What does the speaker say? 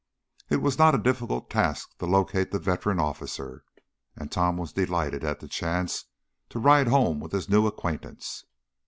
It was not a difficult task to locate the veteran officer, and Tom was delighted at the chance to ride home with his new acquaintance.